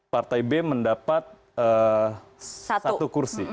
partai b mendapat satu kursi